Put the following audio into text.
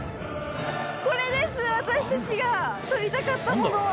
これです私たちが取りたかったものは。